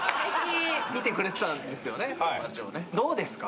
どうですか？